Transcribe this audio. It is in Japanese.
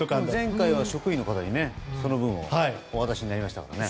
前回は職員の方にその分をお渡しになりましたね。